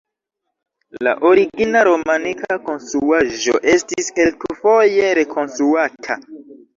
La origina romanika konstruaĵo estis kelkfoje rekonstruata.